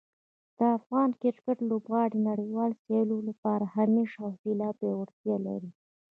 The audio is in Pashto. د افغان کرکټ لوبغاړي د نړیوالو سیالیو لپاره همیش حوصله او پیاوړتیا لري.